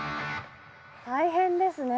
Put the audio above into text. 大変ですね。